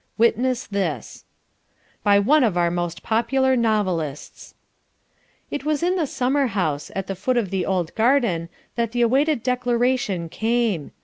Witness this: BY ONE OF OUR MOST POPULAR NOVELISTS "It was in the summer house, at the foot of the old garden, that the awaited declaration came.